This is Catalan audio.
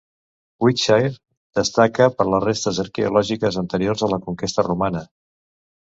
Wiltshire destaca per les restes arqueològiques anteriors a la conquesta romana.